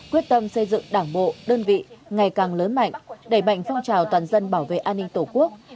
quyết tâm xây dựng đảng bộ đơn vị ngày càng lớn mạnh đẩy mạnh phong trào toàn dân bảo vệ an ninh tổ quốc